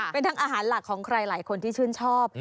เป็นทั้งอาหารหลักของใครหลายคนที่ชื่นชอบ